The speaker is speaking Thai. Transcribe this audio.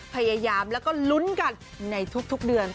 พยายามแล้วก็ลุ้นกันในทุกเดือน